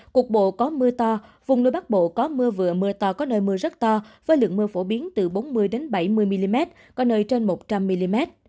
cục bộ có mưa to vùng núi bắc bộ có mưa vừa mưa to có nơi mưa rất to với lượng mưa phổ biến từ bốn mươi bảy mươi mm có nơi trên một trăm linh mm